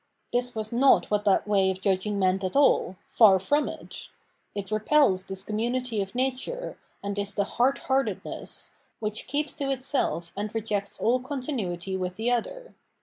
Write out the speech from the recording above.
This was not what that way of judging meant at all : far from it ! It repels this community of nature, and is the " hardhearted ness," which keeps to itself and rejects aU continuity with the other.